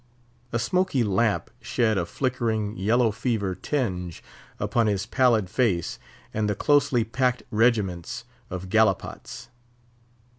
A smoky lamp shed a flickering, yellow fever tinge upon his pallid face and the closely packed regiments of gallipots.